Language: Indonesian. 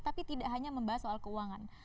tapi tidak hanya membahas soal keuangan